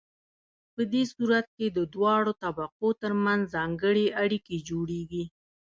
په دې صورت کې د دواړو طبقو ترمنځ ځانګړې اړیکې جوړیږي.